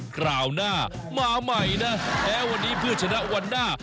คราวหน้ามาใหม่นะแพ้วันนี้เพื่อชนะวันหน้า